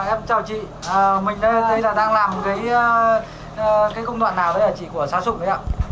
em chào chị mình đây là đang làm cái công đoạn nào đấy ạ chị của xá sùng đấy ạ